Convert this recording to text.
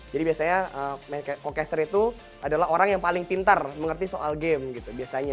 jadi biasanya co caster itu adalah orang yang paling pintar mengerti soal game gitu biasanya